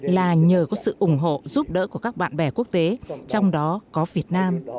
là nhờ có sự ủng hộ giúp đỡ của các bạn bè quốc tế trong đó có việt nam